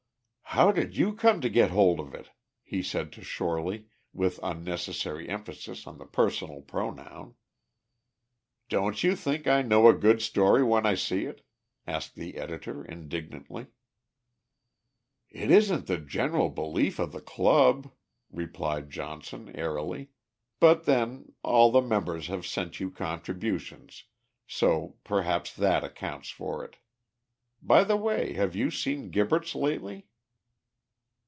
"How did you come to get hold of it?" he said to Shorely, with unnecessary emphasis on the personal pronoun. "Don't you think I know a good story when I see it?" asked the editor, indignantly. "It isn't the general belief of the Club," replied Johnson, airily; "but then, all the members have sent you contributions, so perhaps that accounts for it. By the way, have you seen Gibberts lately?"